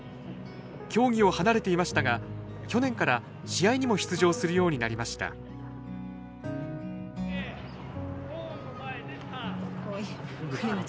競技を離れていましたが去年から試合にも出場するようになりましたかわいい。